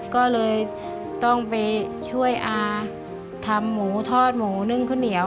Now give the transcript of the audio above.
ก็เลยต้องไปช่วยอาทำหมูทอดหมูนึ่งข้าวเหนียว